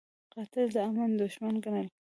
قاتل د امن دښمن ګڼل کېږي